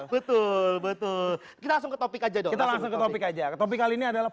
betul betul kita langsung ke topik aja kita langsung ke topik aja ke topik kali ini adalah